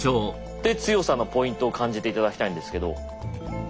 で強さのポイントを感じて頂きたいんですけど。